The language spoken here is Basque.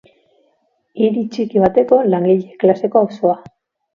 Hiri txiki bateko langile-klaseko auzoa.